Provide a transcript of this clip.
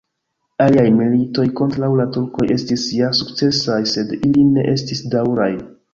Aliaj militoj kontraŭ la turkoj estis ja sukcesaj, sed ili ne estis daŭraj.